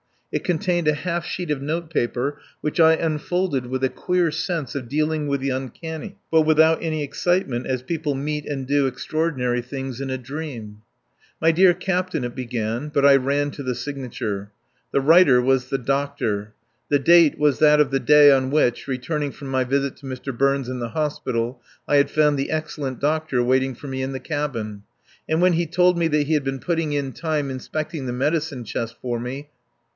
It contained a half sheet of notepaper, which I unfolded with a queer sense of dealing with the uncanny, but without any excitement as people meet and do extraordinary things in a dream. "My dear Captain," it began, but I ran to the signature. The writer was the doctor. The date was that of the day on which, returning from my visit to Mr. Burns in the hospital, I had found the excellent doctor waiting for me in the cabin; and when he told me that he had been putting in time inspecting the medicine chest for me.